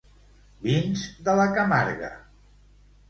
Vins de la Camarga